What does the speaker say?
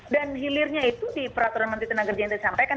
dan hilirnya itu di peraturan menteri tenaga kerja yang tadi saya sampaikan